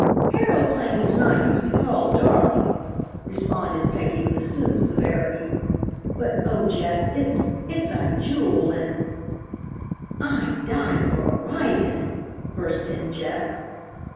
"Aeroplanes are not usually called 'darlings,'" responded Peggy with assumed severity, "but oh, Jess, it's it's a jewel and " "I'm dying for a ride in it!" burst in Jess.